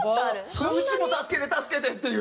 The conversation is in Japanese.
うちも助けて助けてっていう。